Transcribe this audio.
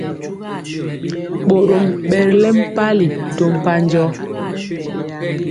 Ɓorom ɓɛ ri lɛŋ mpali to mpanjɔ.